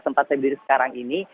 tempat saya berdiri sekarang ini